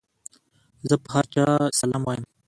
زه پر هر چا سلام وايم.